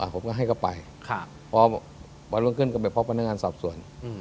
ผมก็ให้เขาไปพอวันรุ่งขึ้นก็ไปพบพนักงานสอบสวน